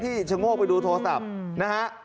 ที่ชโง่ไปดูโทรศัพท์นะฮะ